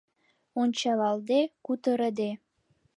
Ончалалде, кутырыде